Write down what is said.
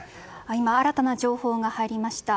今、新たな情報が入りました。